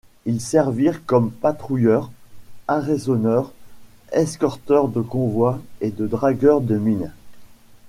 Ils servirent comme patrouilleur, arraisonneur, escorteur de convoi et de dragueur de mines.